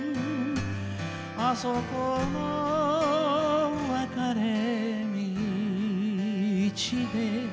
「あそこの別れ道で」